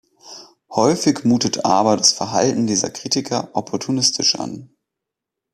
Häufig mutet aber das Verhalten dieser Kritiker opportunistisch an.